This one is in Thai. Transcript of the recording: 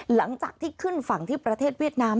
หลังจากที่ขึ้นฝั่งที่ประเทศเวียดนาม